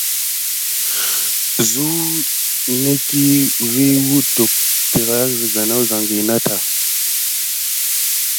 Zunekiy vi wutu terake léklole nata dimpiaka.